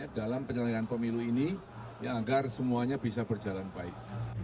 dalam penyelenggaraan pemilu ini agar semuanya bisa berjalan baik